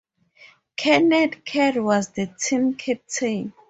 Kenneth Kerr was the team captain.